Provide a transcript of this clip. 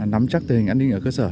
nắm chắc tình hình an ninh ở cơ sở